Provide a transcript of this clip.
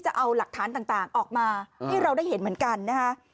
จะเอาหลักฐานต่างออกมาให้เราได้เห็นเหมือนกันนะคะ